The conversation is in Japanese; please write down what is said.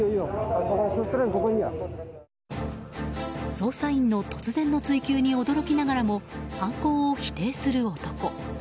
捜査員の突然の追及に驚きながらも犯行を否定する男。